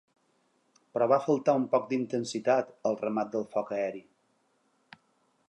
Però va faltar un poc d’intensitat al remat del foc aeri.